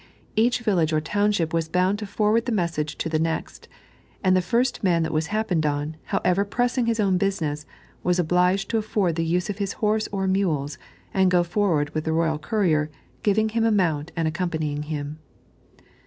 each village or township was bound to forward the message to the next, and the first man that was happened on, however pressing his own business, was obliged to a£ford the use of his horses or mules, and go forward with the royal com'iw, giving him a mount and accompanying him.